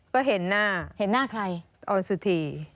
ก็เห็นหน้าออนสุธี